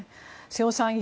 瀬尾さん